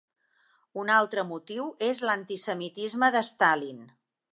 Un altre motiu és l'antisemitisme de Stalin.